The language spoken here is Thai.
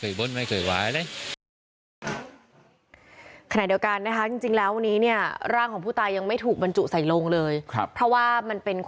เป็นความเชื่อชาวภาคใต้ว่าไม่โรงสร้างบรรจุบตายในวันพลุธ